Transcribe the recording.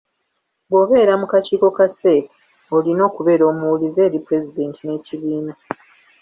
Bw'obeera ku kakiiko ka CEC, olina okubeera omuwulize eri Pulezidenti n’ekibiina.